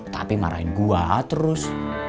tapi marahin gua terus